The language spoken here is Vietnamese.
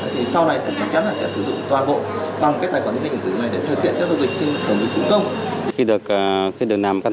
thì sau này sẽ chắc chắn là sẽ sử dụng toàn bộ phong cách tài khoản định danh điện tử này để thực hiện các giao dịch trên môi trường mạng cũng không